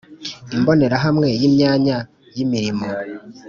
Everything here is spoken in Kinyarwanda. imbonerahamwe y’imyanya yi mirimo: